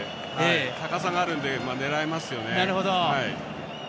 高さがあるので狙いますよね。